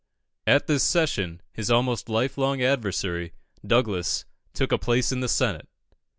At this session, his almost life long adversary, Douglas, took a place in the Senate.